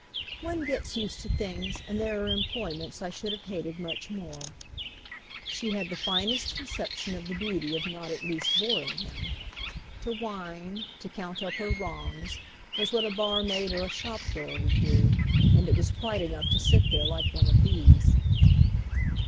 "One gets used to things, and there are employments I should have hated much more." She had the finest conception of the beauty of not at least boring him. To whine, to count up her wrongs, was what a barmaid or a shop girl would do, and it was quite enough to sit there like one of these.